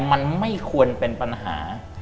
มันไม่ควรเป็นปัญหา